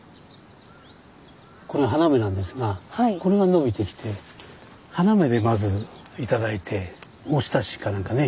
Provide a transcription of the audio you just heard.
これ花芽なんですがこれが伸びてきて花芽でまずいただいておひたしか何かね。